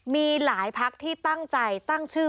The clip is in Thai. มีหลายพักที่ตั้งใจตั้งชื่อ